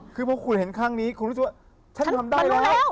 คือพอคุณเห็นครั้งนี้คุณรู้สึกว่าฉันทำได้แล้ว